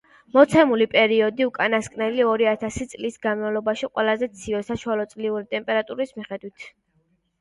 მოცემული პერიოდი უკანასკნელი ორი ათასი წლის განმავლობაში ყველაზე ცივია საშუალოწლიური ტემპერატურის მიხედვით.